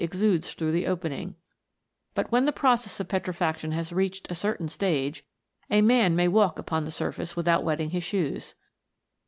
exudes through the opening; but when the process of petrifaction has reached a certain stage, a man may walk upon the surface without wetting his shoes.